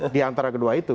di antara kedua itu